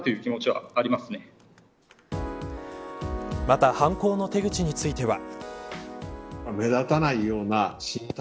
また犯行の手口については。